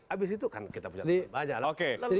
habis itu kan kita punya banyak